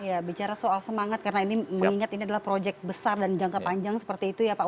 ya bicara soal semangat karena ini mengingat ini adalah proyek besar dan jangka panjang seperti itu ya pak